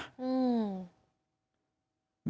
อืม